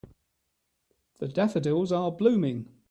The daffodils are blooming.